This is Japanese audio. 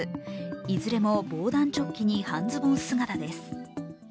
いずれも防弾チョッキに半ズボン姿です。